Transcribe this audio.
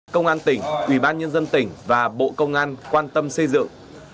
công an tỉnh ủy ban nhân dân tỉnh và bộ công an quan tâm xây dựng